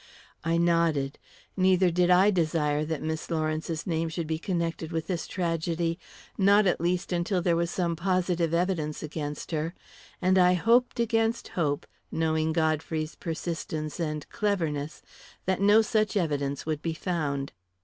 I nodded; neither did I desire that Miss Lawrence's name should be connected with this tragedy not, at least, until there was some positive evidence against her. And I hoped against hope, knowing Godfrey's persistence and cleverness, that no such evidence would be found.